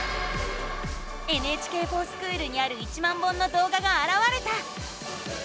「ＮＨＫｆｏｒＳｃｈｏｏｌ」にある１万本のどうががあらわれた！